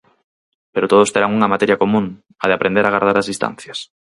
Pero todos terán unha materia común, a de aprender a gardar as distancias.